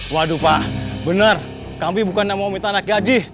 waduh pak benar kami bukan yang mau minta anak gaji